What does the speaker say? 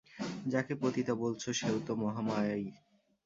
যাকে পতিতা বলছ, সেও তো মহামায়াই।